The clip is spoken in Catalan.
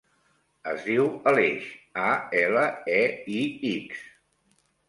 Es diu Aleix: a, ela, e, i, ics.